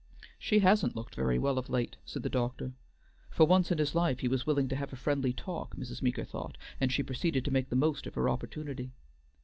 "She hasn't looked very well of late," said the doctor. For once in his life he was willing to have a friendly talk, Mrs. Meeker thought, and she proceeded to make the most of her opportunity.